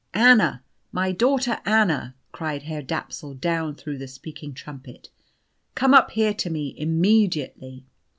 "Anna, my daughter Anna," cried Herr Dapsul down through the speaking trumpet; "come up here to me immediately!"